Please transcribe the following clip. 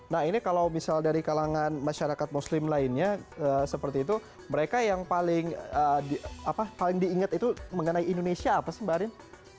nah ini kalau misal dari kalangan masyarakat muslim lainnya seperti itu mereka yang paling diingat itu mengenai indonesia apa sih mbak arin